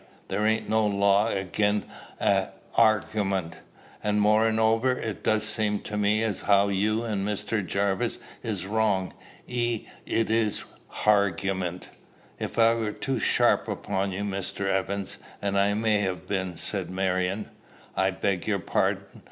There ain't no law agin a harguyment. An' more an' over, it do seem to me as how you and Mr. Jarvis is wrong i' it is harguyment." "If I was too sharp upon you, Mr. Evans, and I may have been," said Marion, "I beg your pardon."